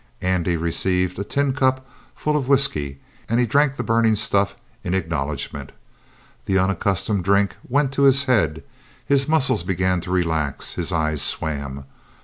Andy received a tin cup half full of whisky, and he drank the burning stuff in acknowledgment. The unaccustomed drink went to his head, his muscles began to relax, his eyes swam.